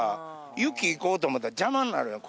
雪行こうと思ったら邪魔になるやん